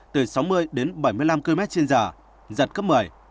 từ sáu mươi đến bảy mươi năm km trên giờ giật cấp một mươi